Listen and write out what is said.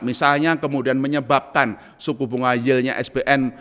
misalnya kemudian menyebabkan suku bunga yieldnya sbn